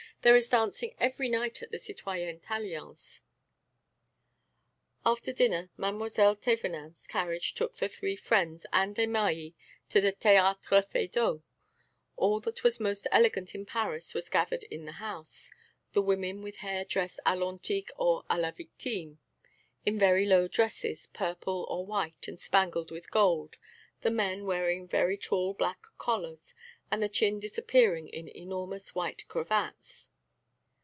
There is dancing every night at the citoyenne Tallien's." After dinner Mademoiselle Thévenin's carriage took the three friends and Desmahis to the Théâtre Feydeau. All that was most elegant in Paris was gathered in the house the women with hair dressed à l'antique or à la victime, in very low dresses, purple or white and spangled with gold, the men wearing very tall black collars and the chin disappearing in enormous white cravats.